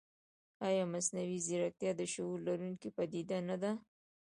ایا مصنوعي ځیرکتیا د شعور لرونکې پدیده نه ده؟